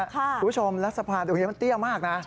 คุณผู้ชมแล้วสะพานตรงนี้มันเตี้ยมากนะ